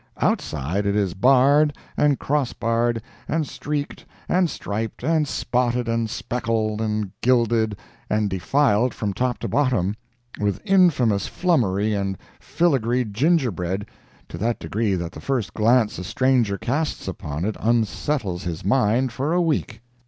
Outside, it is barred, and cross barred, and streaked, and striped, and spotted, and speckled, and gilded, and defiled from top to bottom, with infamous flummery and filagreed gingerbread, to that degree that the first glance a stranger casts upon it unsettles his mind for a week.